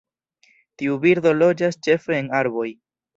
Tiu birdo loĝas ĉefe en arboj.